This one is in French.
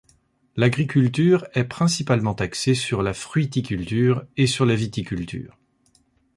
L'agriculture est principalement axée sur la fruiticulture et sur la viticulture.